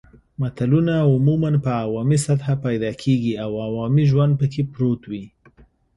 متلونه عموماً په عوامي سطحه پیدا کېږي او عوامي ژوند پکې پروت وي